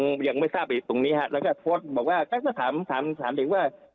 ยังไม่ทราบตรงนี้ฮะแล้วก็โพสต์บอกว่าก็ถามถามเด็กว่า